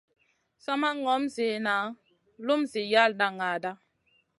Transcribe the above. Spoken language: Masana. Sa ma ŋom ziyna lum zi yalda naaɗa.